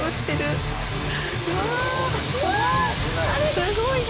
すごいね。